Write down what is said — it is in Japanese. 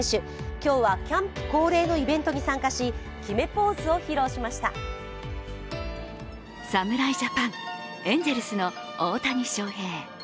今日はキャンプ恒例のイベントに参加し、決めポーズを披露しました侍ジャパン、エンゼルスの大谷翔平。